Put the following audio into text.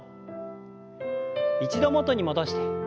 一度元に戻して。